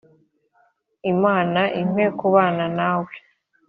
Imana impe kubana nawe